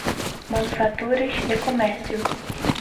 Manufaturas e Comércio